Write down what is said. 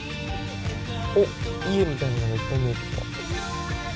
おっ家みたいなのいっぱい見えてきた。